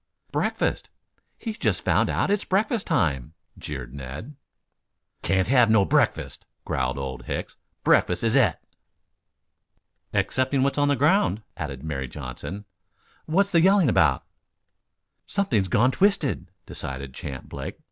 "Breakfast. He's just found out it's breakfast time," jeered Ned. "Can't have no breakfast," growled Old Hicks. "Breakfast is et." "Excepting what's on the ground," added Mary Johnson. "What's he yelling about?" "Something's gone twisted," decided Champ Blake.